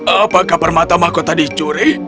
apakah permata mahkota dicuri